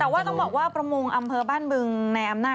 แต่ว่าต้องบอกว่าประมงอำเภอบ้านบึงในอำนาจ